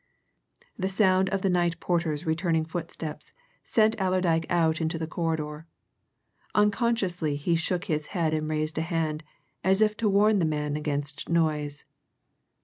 The sound of the night porter's returning footsteps sent Allerdyke out into the corridor. Unconsciously he shook his head and raised a hand as if to warn the man against noise.